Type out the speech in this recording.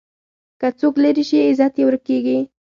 که څوک لرې شي، عزت یې ورک کېږي.